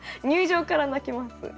入場から泣きます。